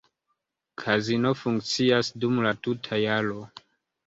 Kazino funkcias dum la tuta jaro.